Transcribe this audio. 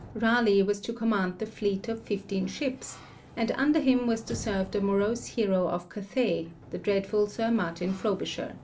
Raleigh was to command the fleet of fifteen ships, and under him was to serve the morose hero of Cathay, the dreadful Sir Martin Frobisher.